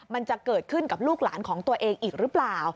มันจะเกิดขึ้นกับลูกหลานของตัวเองอีกหรือเปล่า